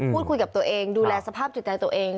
พูดคุยกับตัวเองดูแลสภาพจิตใจตัวเอง